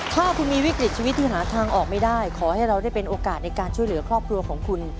ถ้าคุณมีวิกฤตชีวิตที่หาทางออกไม่ได้ขอให้เราได้เป็นโอกาสในการช่วยเหลือครอบครัวของคุณ